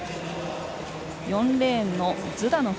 ４レーンのズダノフ